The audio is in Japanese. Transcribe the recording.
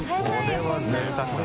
これはぜいたくだね。